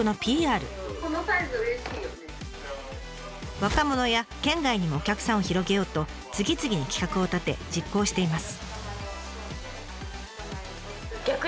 若者や県外にもお客さんを広げようと次々に企画を立て実行しています。